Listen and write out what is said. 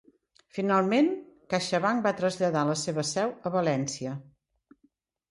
Finalment CaixaBank va traslladar la seva seu a València.